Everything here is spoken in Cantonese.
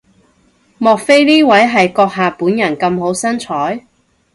莫非呢位係閣下本人咁好身材？